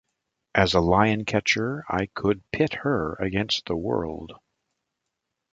As a lion-catcher, I could pit her against the world.